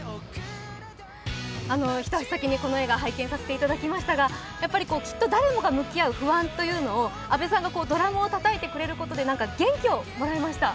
一足先にこの映画、拝見させていただきましたが誰もが向き合う不安というのを阿部さんがドラムをたたく姿に元気をもらえました。